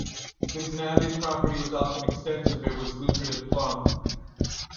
Since an abbey's property was often extensive, it was lucrative plum.